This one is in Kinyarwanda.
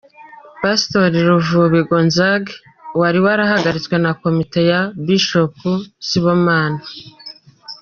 Pastor Ruvubi Gonzague wari warahagaritswe na Komite ya Bishop Sibomana.